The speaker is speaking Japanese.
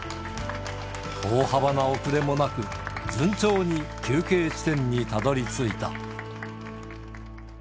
大幅な遅れもなく、順調に休憩地点にたどりついた。